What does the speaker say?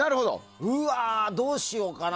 うわあ、どうしようかな。